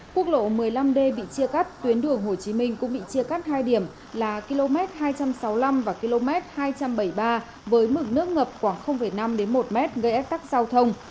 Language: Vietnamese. quốc lộ một mươi năm d bị chia cắt tuyến đường hồ chí minh cũng bị chia cắt hai điểm là km hai trăm sáu mươi năm và km hai trăm bảy mươi ba với mực nước ngập khoảng năm một m gây ách tắc giao thông